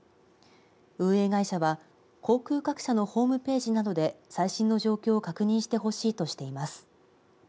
運営会社は航空各社のホームページなどで最新の状況を確認してほしいとしています。